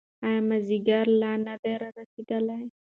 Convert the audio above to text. ایا مازیګر لا نه دی رارسېدلی؟